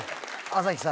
朝日さん